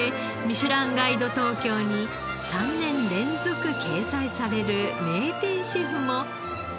『ミシュランガイド東京』に３年連続掲載される名店シェフも上州地鶏に太鼓判。